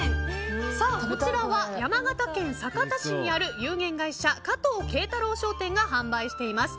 こちらは山形県酒田市にある有限会社加藤敬太郎商店が販売しています。